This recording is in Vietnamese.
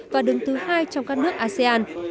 và đứng thứ hai trong các nước asean